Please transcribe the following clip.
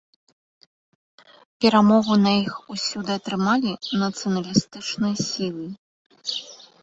Перамогу на іх усюды атрымалі нацыяналістычныя сілы.